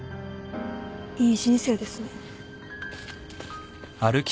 いい人生ですね。